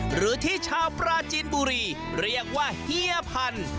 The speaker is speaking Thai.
หรือที่ชาวปราจีนบุรีเรียกว่าเฮียพันธุ์